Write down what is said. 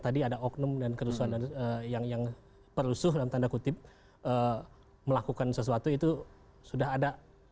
tadi ada oknum dan kerusuhan yang perusuh dalam tanda kutip melakukan sesuatu itu sudah ada